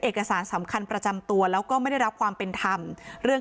เอกสารสำคัญประจำตัวแล้วก็ไม่ได้รับความเป็นธรรมเรื่อง